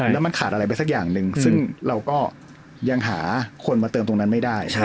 แล้วมันขาดอะไรไปสักอย่างหนึ่งซึ่งเราก็ยังหาคนมาเติมตรงนั้นไม่ได้